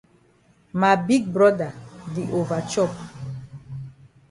Ma big broda di over chop.